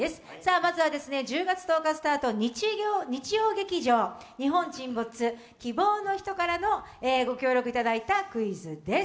まずは１０月１０日スタート、日曜劇場「日本沈没−希望のひと−」からのご協力いただいたクイズです。